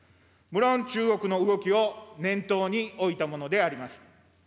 むろん中国の動きを念頭に置いたものであります。